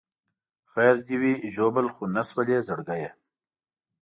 خیر دې وي ژوبل خو نه شولې زړګیه.